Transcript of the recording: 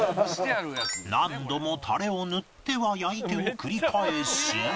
何度もタレを塗っては焼いてを繰り返し